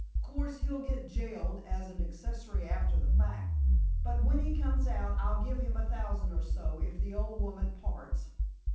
'Course he'll get jailed as an accessory after the fact: but when he comes out I'll give him a thousand or so if the old woman parts.